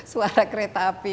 suara kereta api